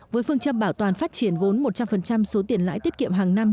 với phương châm bảo toàn phát triển vốn một trăm linh số tiền lãi tiết kiệm hàng năm